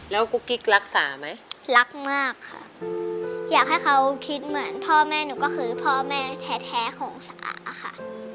แล้วกุ๊กกิ๊กรักษาไหมรักมากค่ะอยากให้เขาคิดเหมือนพ่อแม่หนูก็คือพ่อแม่แท้ของสาค่ะ